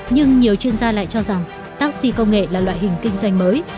nhưng nhiều chuyên gia lại cho rằng taxi công nghệ là loại hình kinh doanh mới